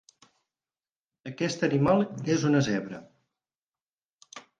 Aquest animal és una zebra.